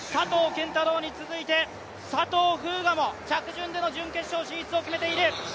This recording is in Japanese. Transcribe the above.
拳太郎に続いて佐藤風雅も着順での準決勝進出を決めている。